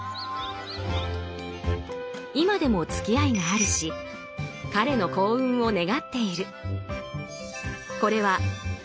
今でもつきあいがあるし彼の幸運を願っている。